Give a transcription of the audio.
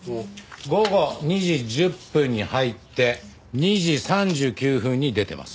午後２時１０分に入って２時３９分に出てます。